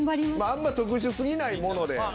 あんま特殊過ぎないもので。